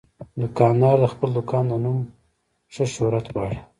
دوکاندار د خپل دوکان د نوم ښه شهرت غواړي.